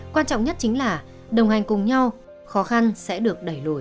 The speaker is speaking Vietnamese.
quan trọng nhất chính là đồng hành cùng nhau khó khăn sẽ được đẩy lùi